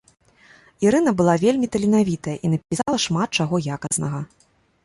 Ірына была вельмі таленавітая і напісала шмат чаго якаснага.